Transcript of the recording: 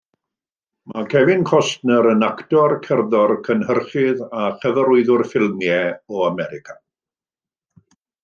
Mae Kevin Costner yn actor, cerddor, cynhyrchydd a chyfarwyddwr ffilmiau o America.